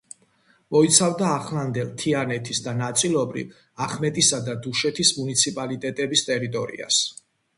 მოიცავდა ახლანდელ თიანეთის და ნაწილობრივ ახმეტისა და დუშეთის მუნიციპალიტეტების ტერიტორიას.